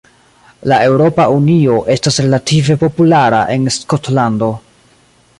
La Eŭropa Unio estas relative populara en Skotlando.